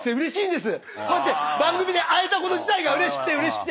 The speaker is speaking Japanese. こうやって番組で会えたこと自体がうれしくてうれしくて！